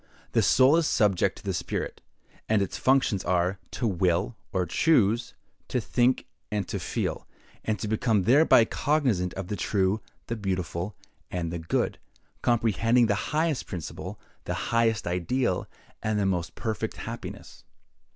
The soul is subject to the spirit; and its functions are, to will, or choose, to think, and to feel, and to become thereby cognizant of the true, the beautiful, and the good; comprehending the highest principle, the highest ideal, and the most perfect happiness.